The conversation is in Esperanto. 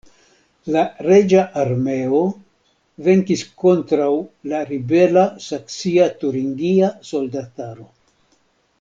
La reĝa armeo venkis kontraŭ la ribela saksia-turingia soldataro.